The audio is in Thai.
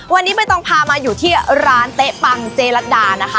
วันนี้ใบตองพามาอยู่ที่ร้านเต๊ะปังเจรัตดานะคะ